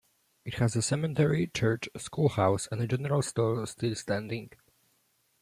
It has a cemetery, church, schoolhouse, and general store still standing.